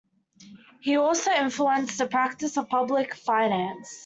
He also influenced the practice of public finance.